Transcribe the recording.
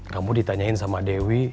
kamu ditanyain sama dewi